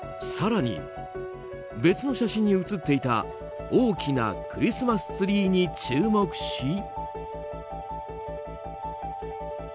更に、別の写真に映っていた大きなクリスマスツリーに注目し。